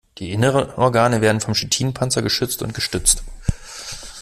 Die inneren Organe werden vom Chitinpanzer geschützt und gestützt.